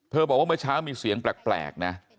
บอกว่าเมื่อเช้ามีเสียงแปลกนะ